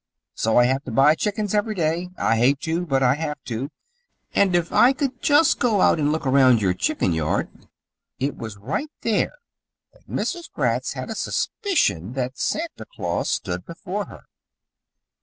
So I have to buy chickens every day. I hate to, but I have to, and if I could just go out and look around your chicken yard " It was right there that Mrs. Gratz had a suspicion that Santa Claus stood before her.